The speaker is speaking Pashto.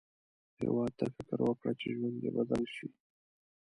هیواد ته فکر وکړه، چې ژوند دې بدل شي